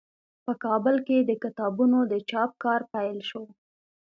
په کابل کې د کتابونو د چاپ کار پیل شو.